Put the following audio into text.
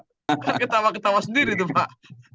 kan ketawa ketawa sendiri itu pak